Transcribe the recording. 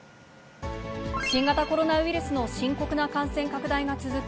新型コロナウイルスの深刻な感染拡大が続く